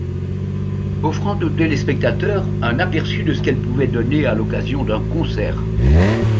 Offrant aux téléspectateurs un aperçu de ce qu’elle pouvait donner à l’occasion d’un concert.